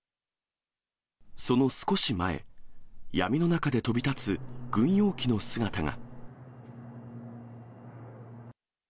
その少し前、闇の中で飛び立つ軍用機の姿が。